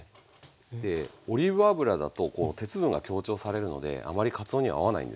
でオリーブ油だと鉄分が強調されるのであまりかつおには合わないんですね。